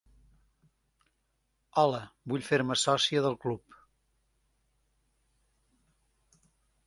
Hola, vull fer-me sòcia del club.